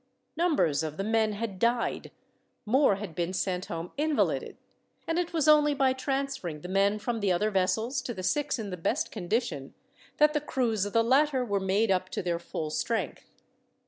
Numbers of the men had died, more had been sent home invalided, and it was only by transferring the men from the other vessels to the six in the best condition, that the crews of the latter were made up to their full strength.